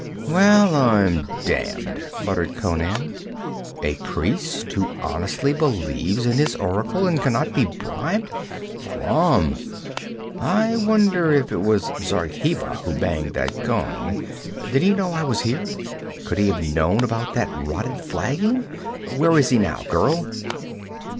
'Well, I'm damned!' muttered Conan. 'A priest who honestly believes in his oracle, and can not be bribed. Crom! I wonder if it was Zargheba who banged that gong. Did he know I was here? Could he have known about that rotten flagging? Where is he now, girl?'